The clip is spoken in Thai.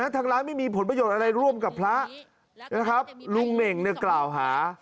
ทางร้านไม่มีผลประโยชน์อะไรร่วมกับพระนะครับลุงเน่งเนี่ยกล่าวหา